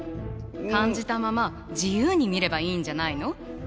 感じたまま自由に見ればいいんじゃないの？